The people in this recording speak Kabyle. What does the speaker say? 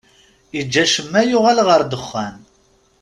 Iǧǧa ccemma, yuɣal ɣer ddexxan.